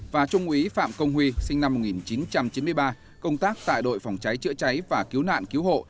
và trung úy phạm công huy sinh năm một nghìn chín trăm chín mươi ba công tác tại đội phòng cháy chữa cháy và cứu nạn cứu hộ